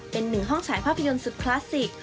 เป็นหนึ่งห้องฉายภาพยนตร์สุดคลาสสิก